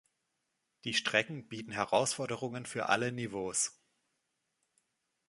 Die Strecken bieten Herausforderungen für alle Niveaus.